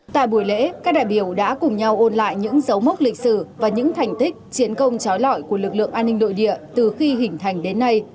tại buổi lễ các đại biểu đã cùng nhau ôn lại những dấu mốc lịch sử và những thành tích chiến công trói lọi của lực lượng an ninh nội địa từ khi hình thành đến nay